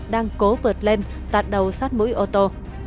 đang cố vượt lên tạt đầu sát mũi ô tô